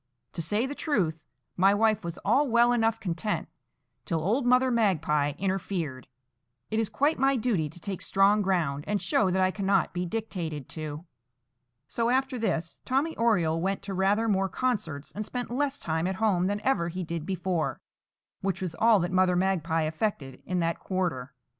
To say the truth, my wife was all well enough content till old Mother Magpie interfered. It is quite my duty to take strong ground, and show that I cannot be dictated to." So, after this, Tommy Oriole went to rather more concerts, and spent less time at home than ever he did before, which was all that Mother Magpie effected in that quarter.